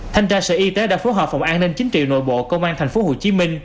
thanh tra sở y tế đã phối hợp phòng an ninh chính trị nội bộ công an tp hcm